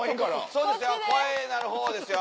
そうですよ声の方ですよ。